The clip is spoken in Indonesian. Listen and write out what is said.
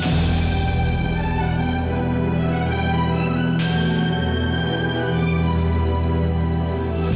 sudah kah kamu merasa benar